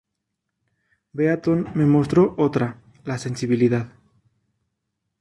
Beaton me mostró otra, la sensibilidad.